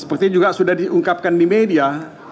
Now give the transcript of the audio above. seperti juga sudah diungkapkan di media